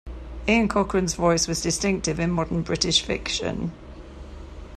Ian Cochrane's voice was distinctive in modern British fiction.